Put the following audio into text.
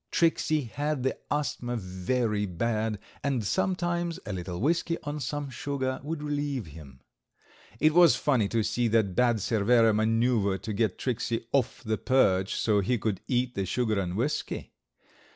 Tricksey had the asthma very bad, and sometimes a little whisky on some sugar would relieve him. It was funny to see that bad Cervera maneuvre to get Tricksey off the perch so he could eat the sugar and whisky.